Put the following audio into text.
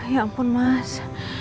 ya ampun mas